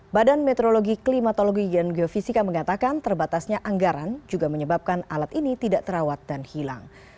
badan meteorologi klimatologi dan geofisika mengatakan terbatasnya anggaran juga menyebabkan alat ini tidak terawat dan hilang